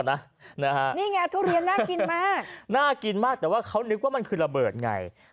น่ากินมากแต่ว่าเขานึกว่ามันคือระเบิดไง